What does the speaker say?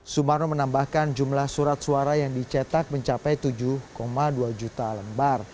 sumarno menambahkan jumlah surat suara yang dicetak mencapai tujuh dua juta lembar